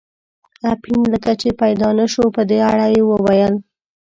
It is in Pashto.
اپین لکه چې پیدا نه شو، په دې اړه یې وویل.